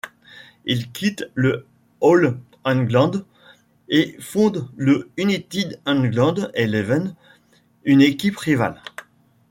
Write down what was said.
Ils quittent le All England et fondent le United England Eleven, une équipe rivale.